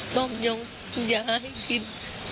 ต้องยอมย้ายให้กิน